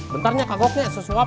bentarnya kagoknya susuap